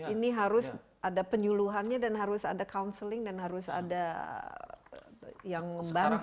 ini harus ada penyuluhannya dan harus ada counseling dan harus ada yang membantu